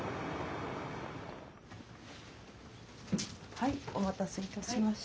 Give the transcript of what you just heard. はいお待たせいたしました。